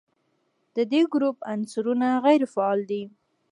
د دې ګروپ عنصرونه غیر فعال دي.